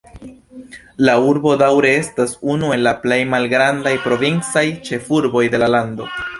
La urbo daŭre estas unu el la plej malgrandaj provincaj ĉefurboj de la lando.